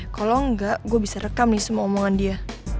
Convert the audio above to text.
kalau enggak gue bisa rekam nih semua omongan dia